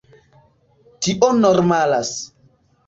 Tio normalas.